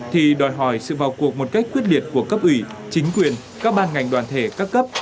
thì đòi hỏi sự vào cuộc một cách quyết liệt của cấp ủy chính quyền các ban ngành đoàn thể các cấp